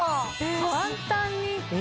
簡単に。